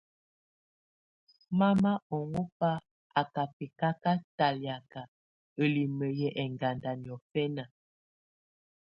Mama ɔŋɔ́ba á ká bɛcaca talɛ̀áka, ǝlimǝ yɛ̀ ɛŋganda niɔfɛna.